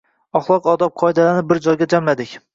Od`ob-axloq qoidalarini bir joyga jamladik